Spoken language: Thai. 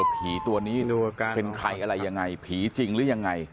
ผีตัวนี้เป็นใครอะไรยังไงผีจริงหรือยังไง